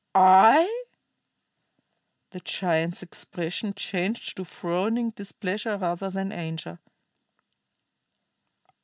"I?" The giant's expression changed to frowning displeasure rather than anger.